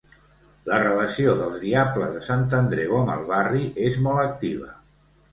La relació dels Diables de Sant Andreu amb el barri és molt activa.